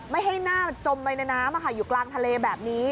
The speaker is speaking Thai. ไม่ให้หน้าจมไปในน้ำน้ำอ่ะค่ะอยู่กลางทะเลแบบนี้